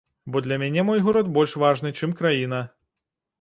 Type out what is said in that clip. Бо для мяне мой горад больш важны, чым краіна.